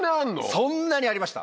そんなにありました。